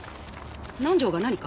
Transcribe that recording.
南条が何か？